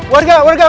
warga warga kumpul